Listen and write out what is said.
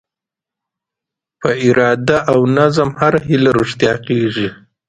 په اراده او نظم هره هیله رښتیا کېږي.